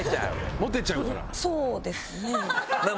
モテちゃうから。